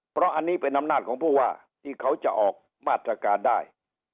เพราะอันนี้เป็นอำนาจของผู้ว่าที่เขาจะออกมาตรการได้